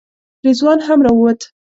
رضوان هم راووت.